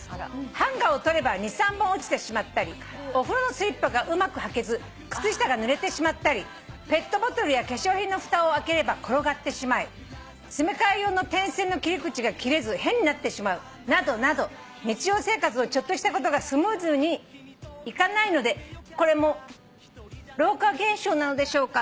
「ハンガーを取れば２３本落ちてしまったりお風呂のスリッパがうまく履けず靴下がぬれてしまったりペットボトルや化粧品のふたを開ければ転がってしまい詰め替え用の点線の切り口が切れず変になってしまうなどなど日常生活のちょっとしたことがスムーズにいかないのでこれも老化現象なのでしょうか」